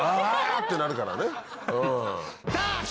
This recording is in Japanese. ってなるからね。